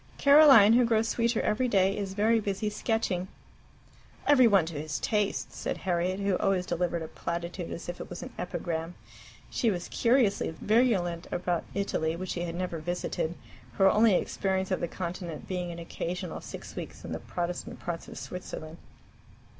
Caroline, who grows sweeter every day, is very busy sketching.'" "Every one to his taste!" said Harriet, who always delivered a platitude as if it was an epigram. She was curiously virulent about Italy, which she had never visited, her only experience of the Continent being an occasional six weeks in the Protestant parts of Switzerland.